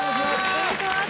お願いします。